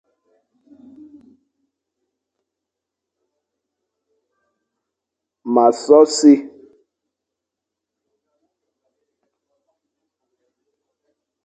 M a so si.